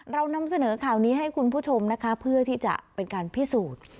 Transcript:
เรานำเสนอข่าวนี้ให้คุณผู้ชมนะคะเพื่อที่จะเป็นการพิสูจน์